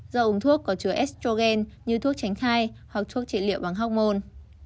do uống thuốc có chứa estrogen như thuốc tránh khai hoặc thuốc trị liệu bằng hormôn